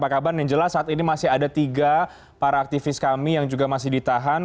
pak kaban yang jelas saat ini masih ada tiga para aktivis kami yang juga masih ditahan